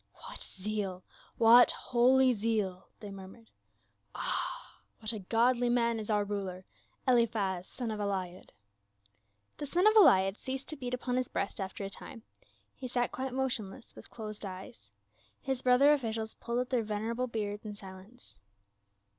" What zeal ! what holy zeal !" they mur mured. "Ah! what a godly man is our ruler, Eliphaz, son of Eliud." The son of Eliud ceased to beat upon his breast after a time ; he sat quite motionless with closed eyes. His brother officials pulled at their venerable beards in silence.